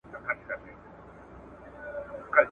زما د حُسن له بغداده رنګین سوي دي نکلونه ..